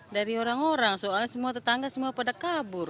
dari orang orang soalnya semua tetangga semua pada kabur